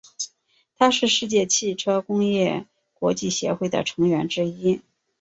它是世界汽车工业国际协会的成员之一。